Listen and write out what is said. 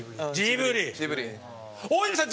大泉さん